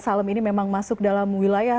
salem ini memang masuk dalam wilayah